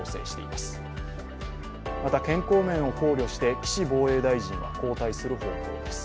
また健康面を考慮して岸防衛大臣は交代する方向です。